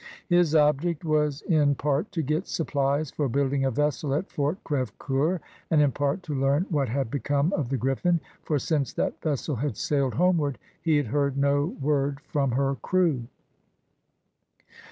His object was in part to get supplies for building a vessel at Fort Cr^vecoeur, and in part to learn what had become of the Griffin^ for since that vessel had sailed homeward he had heard no word from her crew.